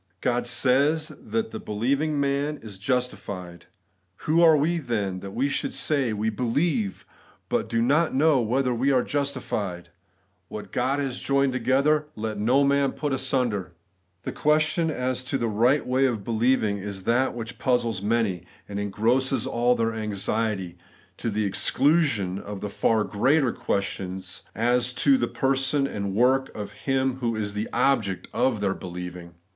God says that the believing man is justified: who are we, then, that we should say, 24 The Everlasting JRightemcsness. * We believe, but we do not know whether we are justified V What God has joined together, let not TMin put asunder. The question as to the right way of believing is that which puzzles many, and engrosses all their anxiety, to the exclusion of the far greater questions as to the person and work of Him who is the object of their beUeving.